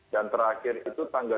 dan terakhir itu tanggal dua puluh tiga